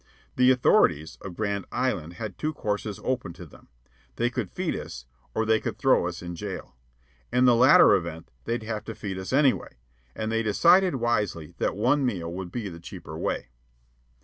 The authorities of Grand Island had two courses open to them. They could feed us, or they could throw us in jail. In the latter event they'd have to feed us anyway, and they decided wisely that one meal would be the cheaper way.